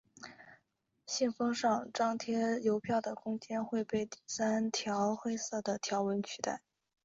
信封上张贴邮票的空间会被三条黑色的条纹取代。